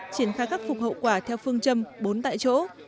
triển khai khắc phục hậu quả theo phương châm bốn tại chỗ